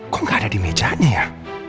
kok gak ada di mejanya ya